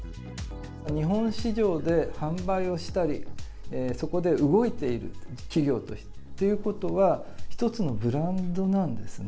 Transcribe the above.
日本市場で販売をしたり、そこで動いている、企業としてということは、一つのブランドなんですね。